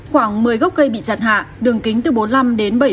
khoảng một mươi gốc cây bị chặt hạ đường kính từ bốn mươi năm bảy mươi cm